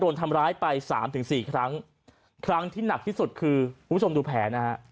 โดนทำร้ายไปสามถึงสี่ครั้งครั้งที่หนักที่สุดคือคุณผู้ชมดูแผลนะฮะ